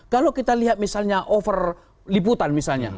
kalau kita lihat misalnya over liputan misalnya